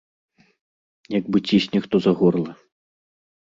Як бы цісне хто за горла.